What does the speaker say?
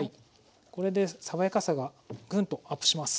これで爽やかさがグンとアップします。